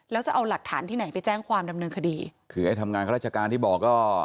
แล้วจะเอาหลักฐานที่ไหนไปแจ้งความดำเนินคดีคือไอ้ทำงานข้าราชการที่บอกก็